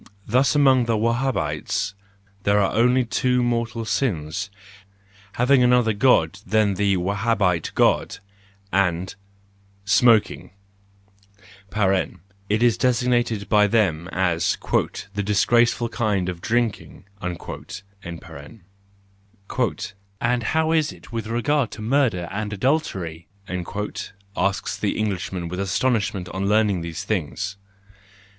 Thus among the Wahabites, there are only two mortal sins: having another God than the Wahabite God, and— smoking (it is designated by them as "the disgraceful kind of drinking ")." And how is it with regard to murder and adultery ? "—asked the Englishman with astonishment on learning these things.